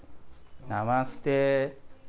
ナマステ。